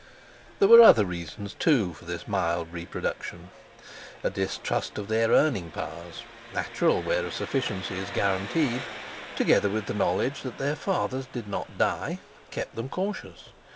There were other reasons, too, for this mild reproduction. A distrust of their earning powers, natural where a sufficiency is guaranteed, together with the knowledge that their fathers did not die, kept them cautious.